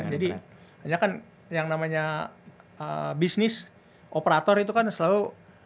jadi hanya kan yang namanya bisnis operator itu kan selalu